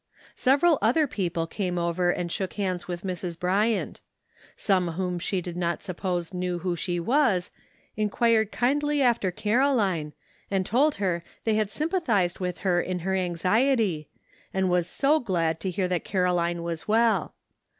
Several other people came over and shook hands with Mrs. Bryant. Some whom she did not suppose knew who she was, inquired kindly after Caroline, and told her they had sympathized with her in her anxiety, and was so glad to hear that Caroline was well.